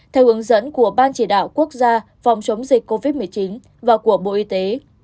theo hướng dẫn của ban chỉ đạo quốc gia phòng chống dịch covid một mươi chín và của bộ y tế